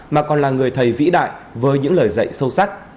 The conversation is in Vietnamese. mà còn là người thầy vĩ đại với những lời dạy sâu sắc